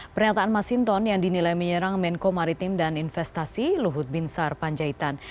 pernyataan masinton yang dinilai menyerang menko maritim dan investasi luhut binsar panjaitan